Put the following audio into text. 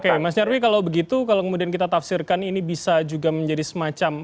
oke mas nyarwi kalau begitu kalau kemudian kita tafsirkan ini bisa juga menjadi semacam